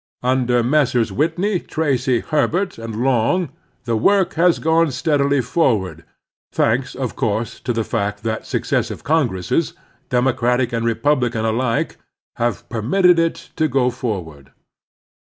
Under Messrs. Whitney, Tracy, Herbert, and Long the work has gone steadily forward, thanks, of course, to the fact that successive Con gresses, Democratic and Republican alike, have permitted it to go forward.